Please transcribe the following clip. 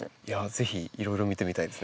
ぜひいろいろ見てみたいですね。